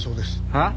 はっ？